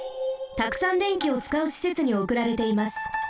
たくさん電気をつかうしせつにおくられています。